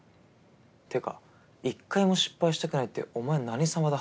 ってか一回も失敗したくないってお前何様だ。